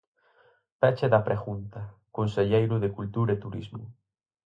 Peche da pregunta, conselleiro de Cultura e Turismo.